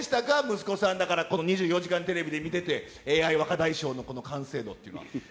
息子さん、２４時間テレビで見てて、ＡＩ若大将のこの完成度っていうのは。